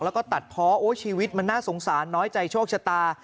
แล้วก็ตัดเพาะโอ้ยชีวิตมันน่าสงสารน้อยใจโชคชะตา